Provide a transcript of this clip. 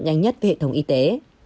nhanh nhất về hệ thống y tế